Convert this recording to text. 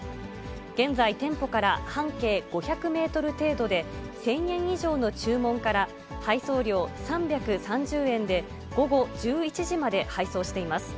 現在、店舗から半径５００メートル程度で、１０００円以上の注文から、配送料３３０円で、午後１１時まで配送しています。